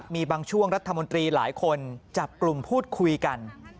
มีบางช่วงรัฐมนตรีหลายคนจับกลุ่มพูดคุยกัน